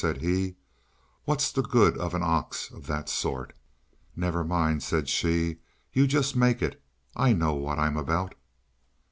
said he, "what's the good of an ox of that sort?" "Never mind," said she, "you just make it. I know what I am about."